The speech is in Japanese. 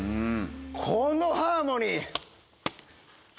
このハーモニー。